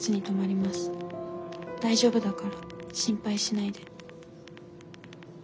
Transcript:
大丈夫だから心配しないで」。